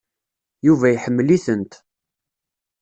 Yuba iḥemmel-itent.